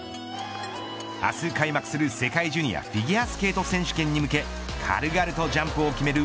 明日開幕する世界ジュニアフィギュアスケート選手権に向け軽々とジャンプを決める